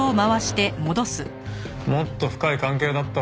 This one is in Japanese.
もっと深い関係だったろ？